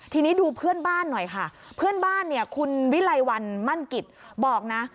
ทีนี้ดูเพื่อนบ้านหน่อยค่ะเพื่อนบ้านเนี่ยคุณวิไลวันมั่นกิจบอกนะ